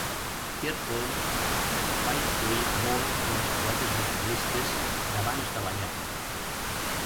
Pierpont va influir molt en els poetes reformistes d'abans de la guerra.